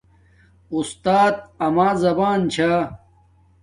اُستات اما زبان چھا